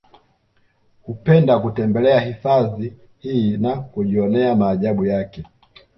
Hupenda kutembelea hifadhi hii na kujionea maajabu yake